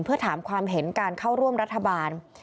เพื่อถามความเห็นการเข้าร่วมรัฐบาล